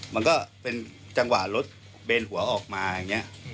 มันก็เป็นจังหวะรถเบนหัวออกมาอย่างนี้